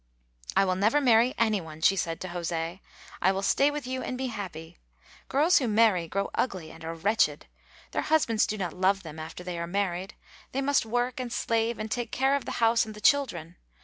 "I will never marry any one," she said to José. "I will stay with you and be happy. Girls who marry grow ugly and are wretched. Their husbands do not love them after they are married. They must work and slave and take care of the house and the children.